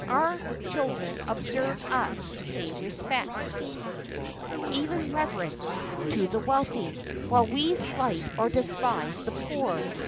"Our children observe us pay respect, even reverence, to the wealthy, while we slight or despise the poor.